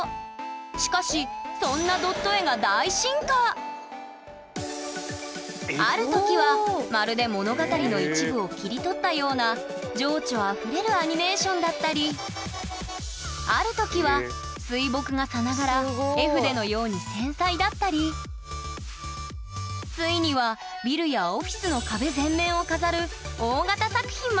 しかしそんなドット絵がある時はまるで物語の一部を切り取ったような情緒あふれるアニメーションだったりある時は水墨画さながら絵筆のように繊細だったりついにはビルやオフィスのまで誕生。